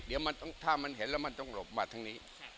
หรือตอนนี้ถ้ามันเห็นแล้วมันต้องหลบมาตรงนี้